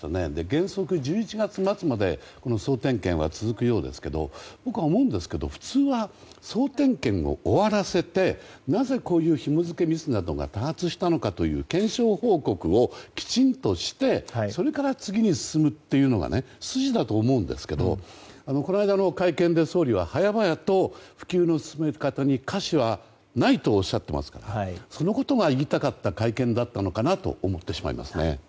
原則１１月末まで総点検は続くようですけど僕は思うんですけど普通は総点検を終わらせてなぜこういうひも付けミスなどが多発したのかという検証報告をきちんとしてそれから次に進むというのが筋だと思うんですけどこの間の会見で総理は早々と普及の進め方に瑕疵はないとおっしゃっていますからそのことが言いたかった会見だったのかなと思ってしまいますね。